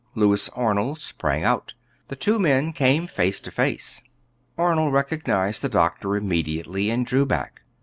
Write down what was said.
Louis Arnold sprang out. The two men came face to face. Arnold recognized the doctor immediately and drew back.